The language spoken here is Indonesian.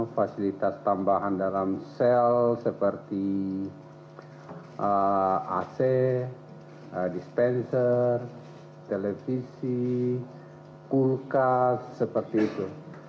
fasilitas tambahan dalam sel seperti ac dispenser televisi kulkas seperti itu